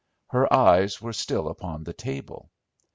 Her eyes were still upon the table.